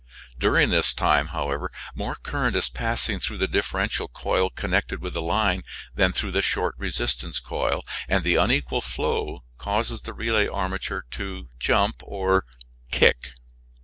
During this time, however, more current is passing through the differential coil connected with the line than through the short resistance coil; and the unequal flow causes the relay armature to jump, or "kick."